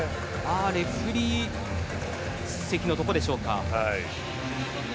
レフェリー席のところでしょうか？